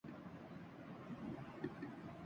ایک عبور نہیں ہوا اور دوسرے سامنے آنے لگے۔